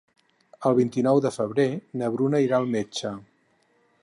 El vint-i-nou de febrer na Bruna irà al metge.